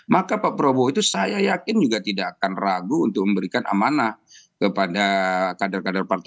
maka pak prabowo itu saya yakin juga tidak akan ragu untuk memberikan amanah kepada kader kader partai